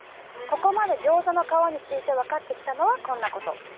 ここまでギョーザの皮について分かってきたのはこんなこと！